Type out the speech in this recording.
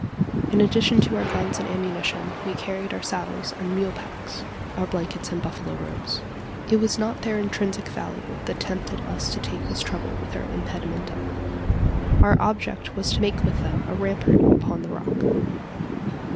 In addition to our guns and ammunition, we carried our saddles and mule packs, our blankets and buffalo robes. It was not their intrinsic value that tempted us to take this trouble with our impedimenta: our object was to make with them a rampart upon the rock.